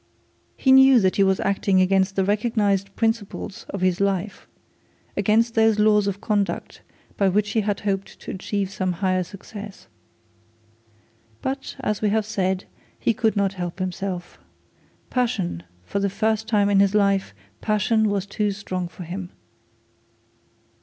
He knew that he was acting against the recognised principles of his life, against those laws of conduct by which he hoped to achieve much higher success. But as we have said, he could not help himself. Passion, for the first time in his life, passion was too strong for him.